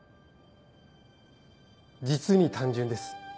実に単純です。